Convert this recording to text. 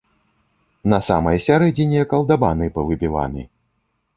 На самай сярэдзіне калдабаны павыбіваны.